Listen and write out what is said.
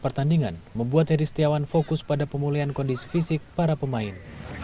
pertandingan membuat heri setiawan fokus pada pemulihan kondisi fisik para pemain